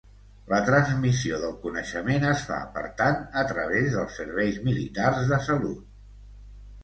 La transmissió del coneixement es fa, per tant, a través dels serveis militars de salut.